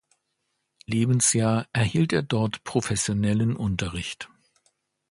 Lebensjahr erhielt er dort professionellen Unterricht.